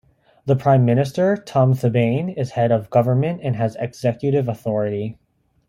The Prime Minister, Tom Thabane, is head of government and has executive authority.